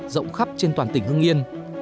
rộng khắp trên toàn tỉnh hưng yên